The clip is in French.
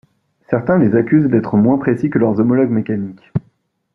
Certains les accusent d'être moins précis que leurs homologues mécaniques.